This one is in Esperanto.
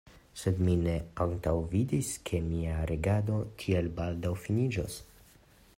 Sed mi ne antaŭvidis, ke mia regado tiel baldaŭ finiĝos.